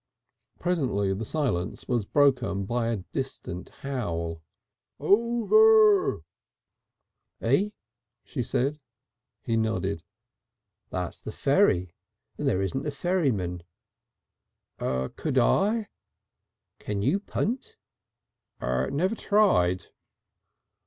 Presently the silence was broken by a distant howl. "Oooooo ver!" "Eh?" she said. He nodded. "That's the ferry. And there isn't a ferryman." "Could I?" "Can you punt?" "Never tried."